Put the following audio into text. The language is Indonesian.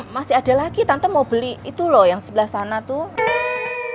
masih ada lagi tante mau beli itu loh yang sebelah sana tuh